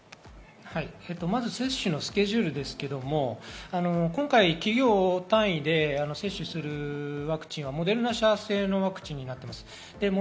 接種のスケジュールですが、今回、企業単位で接種するワクチンはモデルナ社製のワクチンです。